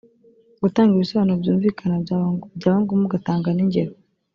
gutanga ibisobanuro byumvikana byaba ngombwa ugatanga n’ingero